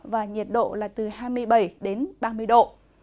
và nhiệt độ là từ hai mươi bảy đến ba mươi độ